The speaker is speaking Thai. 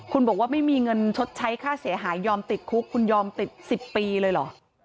คุณบอกว่าไม่มีเงินชดใช้ค่าเสียหายยอมติดคุกคุณยอมติด๑๐ปีเลยเหรอ